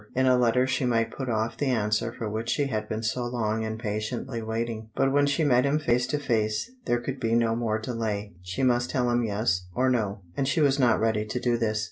In a letter she might put off the answer for which he had been so long and patiently waiting, but when she met him face to face there could be no more delay; she must tell him yes or no, and she was not ready to do this.